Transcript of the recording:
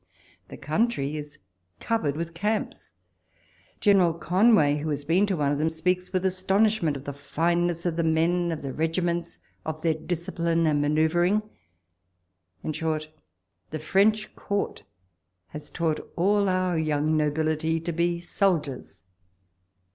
The country is covered with camps ; General Conway, who has been to one of them, speaks with astonishment of the fineness of the men, of the regiments, of their discipline and manoeuvring. In short, the French Court has taught all our young nobility to be soldiers.